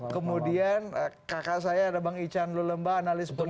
kemudian kakak saya ada bang ican lulemba analis politik